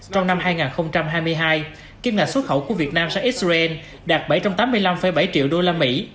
trong năm hai nghìn hai mươi hai kim ngạch xuất khẩu của việt nam sang israel đạt bảy trăm tám mươi năm bảy triệu đô la mỹ